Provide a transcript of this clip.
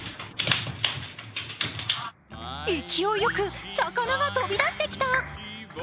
勢いよく魚が飛び出してきた。